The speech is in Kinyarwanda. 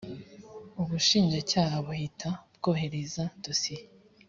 ubushinjacyaha buhita bwohereza dosiye